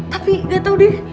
tapi gak tau deh